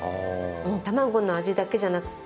卵の味だけじゃなくて。